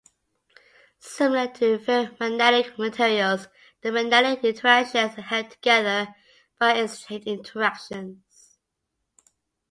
Similar to ferromagnetic materials the magnetic interactions are held together by exchange interactions.